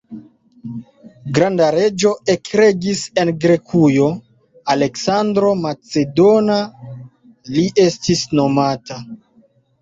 Granda reĝo ekregis en Grekujo; « Aleksandro Macedona » li estis nomata.